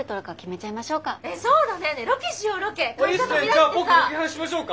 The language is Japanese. じゃあ僕ロケハンしましょうか。